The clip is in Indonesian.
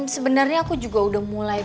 sebenarnya aku juga udah mulai